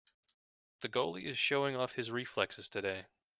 The goalie is showing off his reflexes today.